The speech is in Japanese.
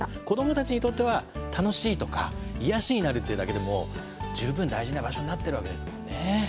子どもたちにとっては「楽しい」とか「癒やしになる」っていうだけでも十分大事な場所になってるわけですもんね。